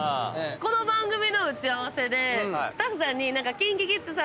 この番組の打ち合わせでスタッフさんに。